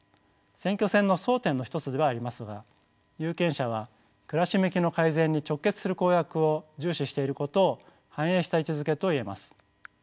選挙戦の争点の一つではありますが有権者は暮らし向きの改善に直結する公約を重視していることを反映した位置づけと言えます。